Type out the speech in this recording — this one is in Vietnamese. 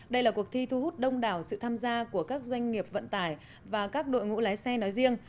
đây là cuộc thi thu hút đông đảo sự tham gia của các doanh nghiệp vận tải và các đội ngũ lái xe nói riêng